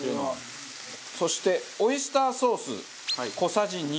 そしてオイスターソース小さじ２。